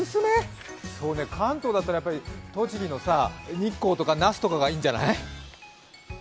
そうね、関東だったら栃木の日光とか那須とかがいいんじゃない。